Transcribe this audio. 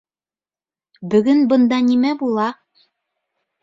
Бөгөн бында нимә була?